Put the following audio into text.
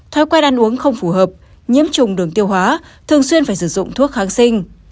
thói quen ăn uống không phù hợp nhiễm trùng đường tiêu hóa thường xuyên phải sử dụng thuốc kháng sinh